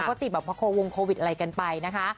ก็ติดแบบโควงโควิดอะไรกันไปนะคะ